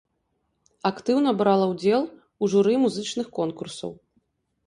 Актыўна брала ўдзел у журы музычных конкурсаў.